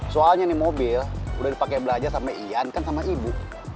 soalnya nih mobil udah dipakai belajar sama ian kan sama ibu